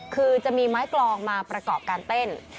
คือจะมีไม้กลองมาประกอบการเต้น